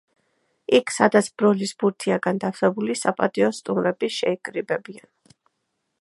იქ სადაც ბროლის ბურთია განთასებული, საპატიო სტუმრები შეიკრიბებიან.